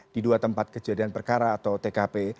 di dua tempat kejadian perkara atau tkp